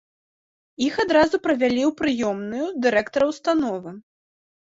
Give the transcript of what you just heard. Іх адразу правялі ў прыёмную дырэктара ўстановы.